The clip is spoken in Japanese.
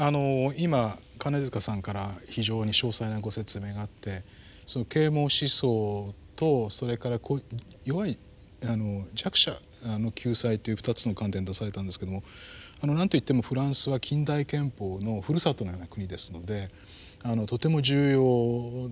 今金塚さんから非常に詳細なご説明があって啓蒙思想とそれから弱い弱者の救済という２つの観点出されたんですけどもなんと言ってもフランスは近代憲法のふるさとのような国ですのでとても重要だと思います。